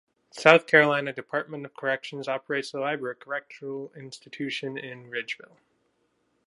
The South Carolina Department of Corrections operates the Lieber Correctional Institution in Ridgeville.